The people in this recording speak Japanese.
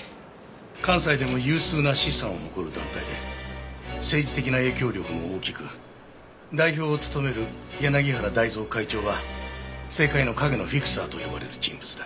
関西でも有数な資産を誇る団体で政治的な影響力も大きく代表を務める柳原大造会長は政界の影のフィクサーと呼ばれる人物だ。